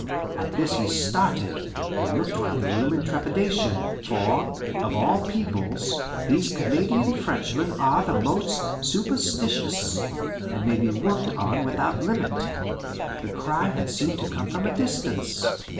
At this he started, and looked round the room in trepidation; for, of all peoples, these Canadian Frenchmen are the most superstitious, and may be worked on without limit. The cry had seemed to come from a distance.